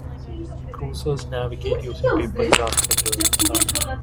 Cruisers navigate using paper charts and radar.